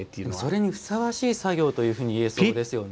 それにふさわしい作業というふうに言えそうですよね。